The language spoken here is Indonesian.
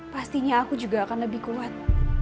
pastinya aku juga akan lebih kuat